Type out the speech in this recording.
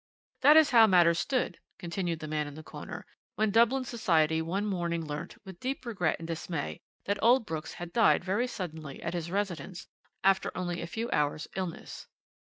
"That is how matters stood," continued the man in the corner, "when Dublin society one morning learnt, with deep regret and dismay, that old Brooks had died very suddenly at his residence after only a few hours' illness.